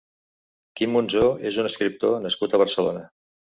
Quim Monzó és un escriptor nascut a Barcelona.